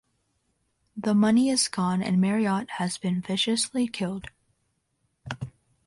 The money is gone and Marriott has been viciously killed.